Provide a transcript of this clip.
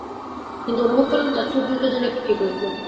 কিন্তু অনুভব করলাম তাঁর ঠোঁটদুটো যেন একটু কেঁপে উঠল।